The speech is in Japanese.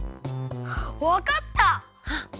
わかった！